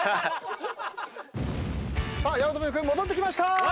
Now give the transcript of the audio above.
さあ八乙女君戻ってきました！